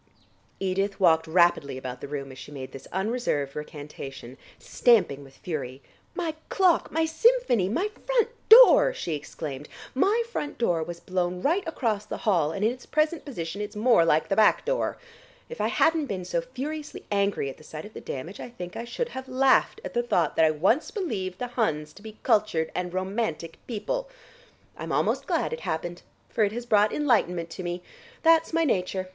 Edith walked rapidly about the room as she made this unreserved recantation, stamping with fury. "My clock! My symphony! My front door!" she exclaimed. "My front door was blown right across the hall, and in its present position it's more like the back door. If I hadn't been so furiously angry at the sight of the damage, I think I should have laughed at the thought that I once believed the Huns to be cultured and romantic people. I'm almost glad it happened, for it has brought enlightenment to me. That's my nature.